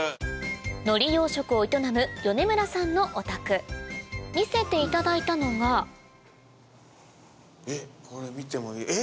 のり養殖を営む米村さんのお宅見せていただいたのがえっ